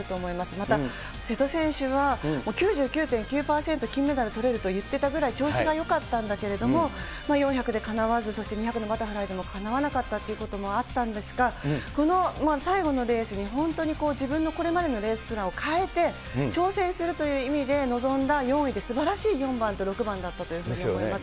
また、瀬戸選手は、９９．９％金メダルとれると言ってたぐらい、調子がよかったんだけれども、４００でかなわず、そして２００もまたかなわなかったっていうこともあったんですが、この最後のレースに、本当に自分のこれまでのレースプランを変えて、挑戦するという意味で臨んだ４位って、すばらしい４番と６番だったというふうに思います。